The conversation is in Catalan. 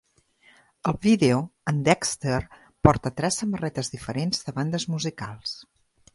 Al vídeo, en Dexter porta tres samarretes diferents de bandes musicals.